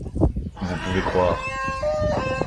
Vous pouvez croire.